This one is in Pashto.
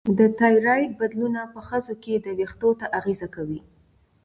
د تایروییډ بدلونونه په ښځو کې وېښتو ته اغېزه کوي.